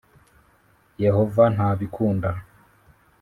Yehova ntabikunda .